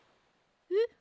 えっ？